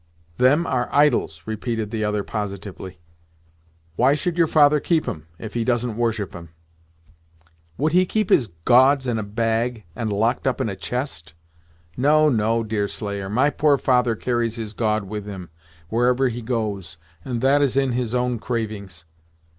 "Them are idols!" repeated the other, positively. "Why should your father keep 'em, if he doesn't worship 'em." "Would he keep his gods in a bag, and locked up in a chest? No, no, Deerslayer; my poor father carries his God with him, wherever he goes, and that is in his own cravings.